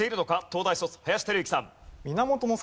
東大卒林輝幸さん。